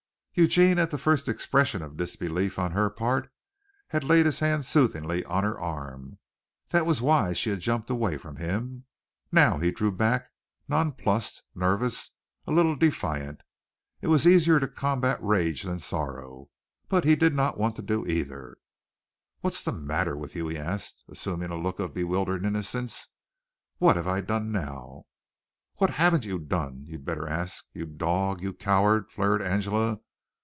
Eugene at the first expression of disbelief on her part had laid his hand soothingly on her arm. That was why she had jumped away from him. Now he drew back, nonplussed, nervous, a little defiant. It was easier to combat rage than sorrow; but he did not want to do either. "What's the matter with you?" he asked, assuming a look of bewildered innocence. "What have I done now?" "What haven't you done, you'd better ask. You dog! You coward!" flared Angela.